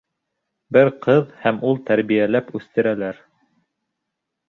Бер ҡыҙ һәм ул тәрбиәләп үҫтерәләр.